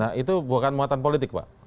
nah itu bukan muatan politik pak